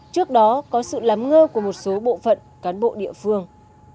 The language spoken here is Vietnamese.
trước đó có sự lắng ngơ của một số bộ phận cán bộ địa phương